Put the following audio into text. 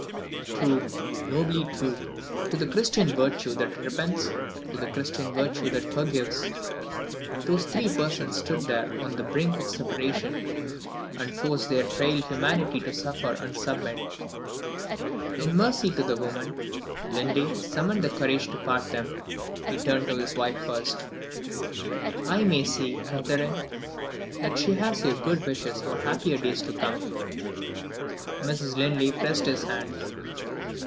True, nobly true, to the Christian virtue that repents, to the Christian virtue that forgives, those three persons stood together on the brink of separation, and forced their frail humanity to suffer and submit. In mercy to the woman, Linley summoned the courage to part them. He turned to his wife first. "I may say, Catherine, that she has your good wishes for happier days to come?" Mrs. Linley pressed his hand.